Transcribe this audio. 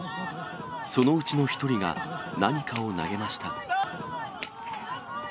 そのうちの１人が、何かを投げました。